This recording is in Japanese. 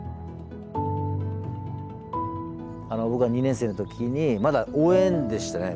僕が２年生の時にまだ応援でしたね